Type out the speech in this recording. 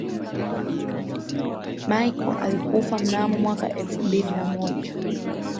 michel alikufa mnamo mwaka elfu mbili na moja